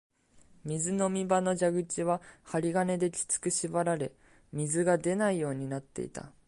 水飲み場の蛇口は針金できつく縛られ、水が出ないようになっていた